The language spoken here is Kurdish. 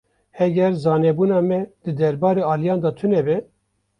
Heger zanebûna me di derbarê aliyan de tune be.